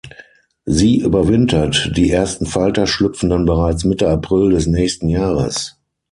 Sie überwintert, die ersten Falter schlüpfen dann bereits Mitte April des nächsten Jahres.